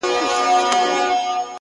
• پيشو نه وه يو تور پړانگ وو قهرېدلى,